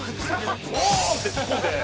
ドーン！って突っ込んで。